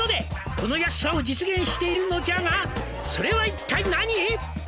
「この安さを実現しているのじゃが」「それは一体何？」